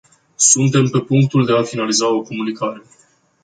Suntem pe punctul de a finaliza o comunicare.